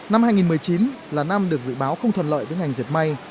năm hai nghìn một mươi chín là năm được dự báo không thuần lợi với ngành diệt may